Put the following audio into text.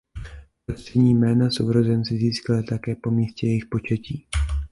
Prostřední jména sourozenci získali také po místě jejich početí.